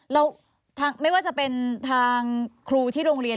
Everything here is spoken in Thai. แล้วไม่ว่าจะเป็นทางครูที่โรงเรียน